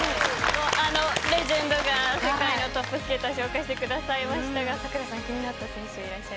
レジェンドが世界のトップスケーターを紹介してくださいましたが桜さん、気になった選手